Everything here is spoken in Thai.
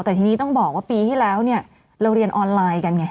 แต่ทีนี้ต้องบอกว่าปีที่แล้วเนี่ยเราเรียนออนไลน์กันไง